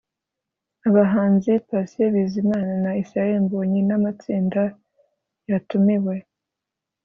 Abahanzi Patient Bizimana na Israel Mbonyi n’amatsinda yatumiwe